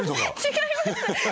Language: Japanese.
違います。